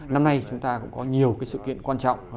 năm nay chúng ta cũng có nhiều sự kiện quan trọng